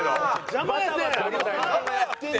邪魔やって。